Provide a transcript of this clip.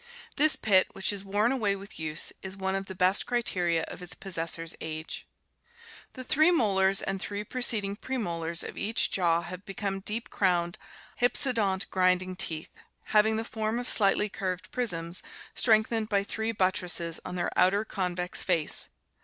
This pit, which is worn away with use, is one of the best criteria of its possessor's age. The three molars and three preceding premolars of each jaw have become deep crowned, hypsodont, grinding teeth, having the form of slightly curved prisms strengthened by three buttresses on their outer, convex face.